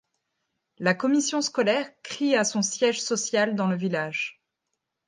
La Commission scolaire crie a son siège social dans le village.